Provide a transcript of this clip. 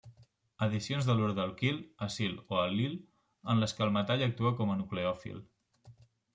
Addicions d'halurs d'alquil, acil o al·lil en les que el metall actua com a nucleòfil.